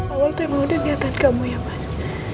awal itu emang udah niatan kamu ya mas